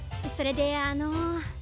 それであの。